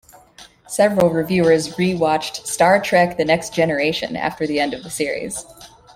Several reviewers re-watched "Star Trek: The Next Generation" after the end of the series.